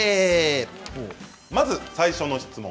Ｑ＆Ａまず最初の質問